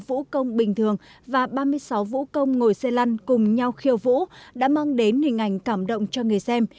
vũ công bình thường và ba mươi sáu vũ công ngồi xe lăn cùng nhau khiêu vũ đã mang đến hình ảnh cảm động cho người xem